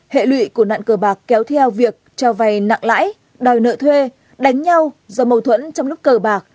hệ lụy của nạn cờ bạc kéo theo việc cho vay nặng lãi đòi nợ thuê đánh nhau do mâu thuẫn trong lúc cờ bạc